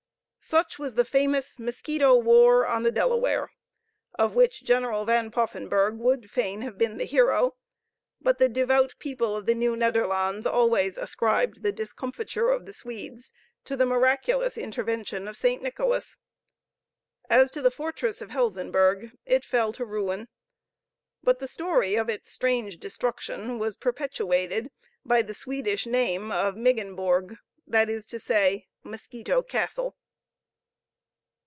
Such was the famous mosquito war on the Delaware, of which General Van Poffenburgh would fain have been the hero; but the devout people of the Nieuw Nederlands always ascribed the discomfiture of the Swedes to the miraculous intervention of St. Nicholas. As to the fortress of Helsenburg, it fell to ruin, but the story of its strange destruction was perpetuated by the Swedish name of Myggen borg, that is to say, Mosquito Castle.